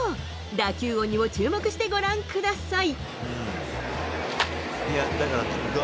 打球音にも注目してご覧ください。